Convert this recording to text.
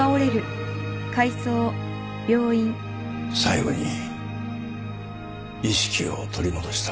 最期に意識を取り戻した